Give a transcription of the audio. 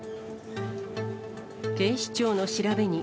警視庁の調べに。